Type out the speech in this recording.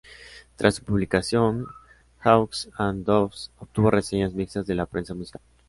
Tras su publicación, "Hawks and Doves" obtuvo reseñas mixtas de la prensa musical.